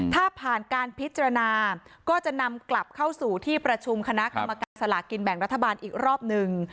ถ้าผ่านการพิจารณาก็จะนำกลับเข้าสู่ที่ประชุมคณะกรรมการสลากินแบ่งรัฐบาลอีกรอบหนึ่ง